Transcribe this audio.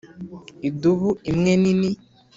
idubu imwe nini,